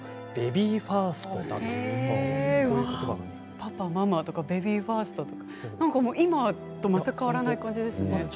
パパ、ママとかベビーファーストとか今と全く変わらない感じですね。